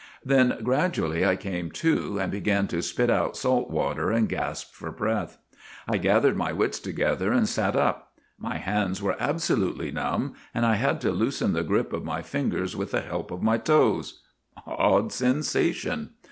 " Then gradually I came to, and began to spit out salt water and gasp for breath. I gathered my wits together and sat up. My hands were abso lutely numb, and I had to loosen the grip of my fingers with the help of my toes. Odd sensation.